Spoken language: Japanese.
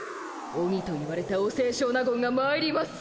オニと言われたお清少納言がまいります。